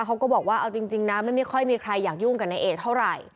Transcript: เขาก็บอกว่าเอาจริงนะไม่ค่อยมีใครอยากยุ่งกับนายเอกเท่าไหร่